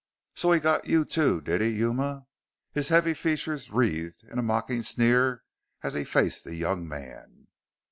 "So he got you too, did he, Yuma?" His heavy features wreathed into a mocking sneer as he faced the young man.